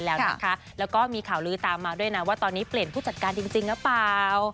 แล้วมีข่าวลื้อตามมาดีว่าเปลี่ยนพู่จัดการจริงหรือเปล่า